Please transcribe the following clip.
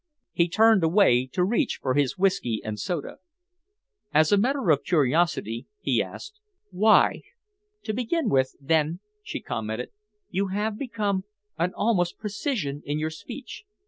He turned away to reach for his whisky and soda. "As a matter of curiosity," he asked, "why?" "To begin with, then," she commented, "you have become almost a precisian in your speech.